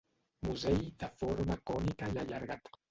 Musell de forma cònica i allargat.